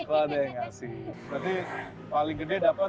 kalau ada yang ngasih berarti paling gede dapat